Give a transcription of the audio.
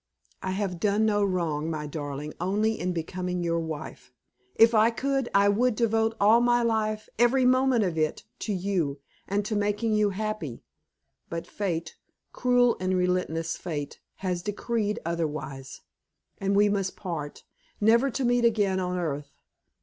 I have done no wrong, my darling, only in becoming your wife. If I could I would devote all my life, every moment of it, to you, and to making you happy; but fate, cruel and relentless fate, has decreed otherwise, and we must part, never to meet again on earth.